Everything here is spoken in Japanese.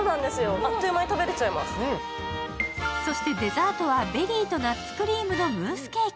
でレートはベリーとナッツクリームのムースケーキ。